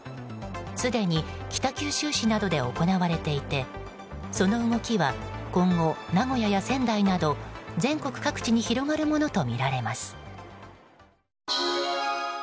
すでに北九州市などで行われていてその動きは今後、名古屋や仙台など全国各地に広がるものとみられます。